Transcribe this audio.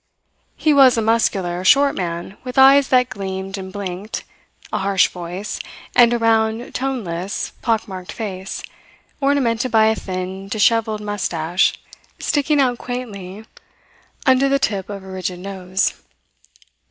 He was a muscular, short man with eyes that gleamed and blinked, a harsh voice, and a round, toneless, pock marked face ornamented by a thin, dishevelled moustache, sticking out quaintly under the tip of a rigid nose.